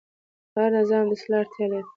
هر نظام د اصلاح اړتیا لري